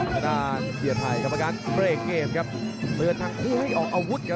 ทางด้านเชียร์ไทยกรรมการเบรกเกมครับเตือนทั้งคู่ให้ออกอาวุธครับ